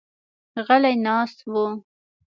غلي ناست وو.